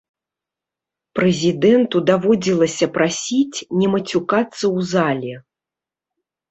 Прэзідэнту даводзілася прасіць не мацюкацца ў зале.